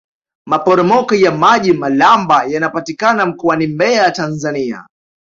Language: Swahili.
maporomoko ya maji malamba yanapatikana mkoani mbeya tanzania